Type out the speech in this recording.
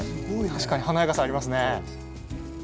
確かに華やかさありますね。